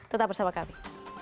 tetap bersama kami